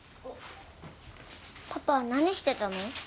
パパ何してたの？